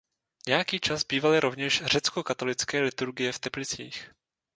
Nějaký čas bývaly rovněž řeckokatolické liturgie v Teplicích.